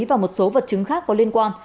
và một số vật chứng khác có liên quan